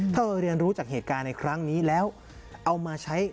ถ้าเราเรียนรู้จากเหตุการณ์ในครั้งนี้แล้วเอามาใช้